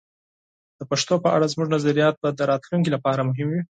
د پښتو په اړه زموږ نظریات به د راتلونکي لپاره مهم وي.